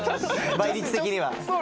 倍率的には。